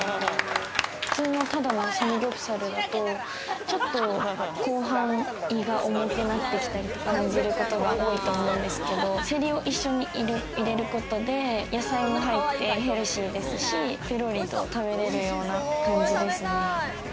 普通のただのサムギョプサルだともっと後半、胃が重くなってきたりとか感じることがあると思うんですけど、セリを一緒に入れてることで、野菜が入って、ヘルシーですしペロリと食べれるような感じですね。